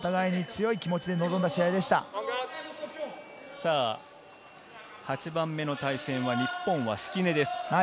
さぁ８番目の対戦は、日本は敷根です。